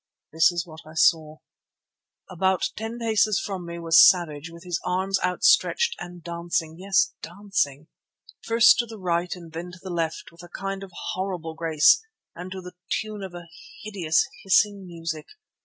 "This was what I saw: About ten paces from me was Savage with his arms outstretched and dancing—yes, dancing—first to the right and then to the left, with a kind of horrible grace and to the tune of a hideous hissing music.